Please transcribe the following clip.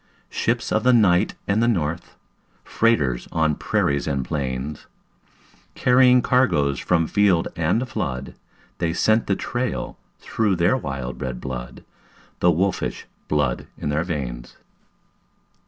Ships of the night and the north, Freighters on prairies and plains, Carrying cargoes from field and flood They scent the trail through their wild red blood, The wolfish blood in their veins.